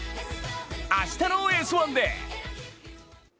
明日の「Ｓ☆１」で。